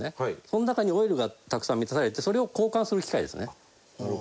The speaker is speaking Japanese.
その中にオイルがたくさん満たされてそれを交換する機械ですね。